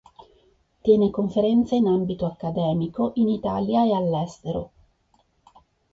Tiene conferenze in ambito accademico in Italia e all'estero.